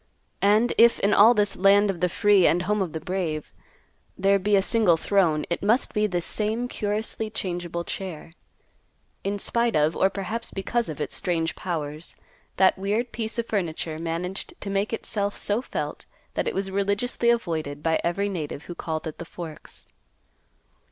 And if in all this "land of the free and home of the brave" there be a single throne, it must be this same curiously changeable chair. In spite of, or perhaps because of, its strange powers, that weird piece of furniture managed to make itself so felt that it was religiously avoided by every native who called at the Forks.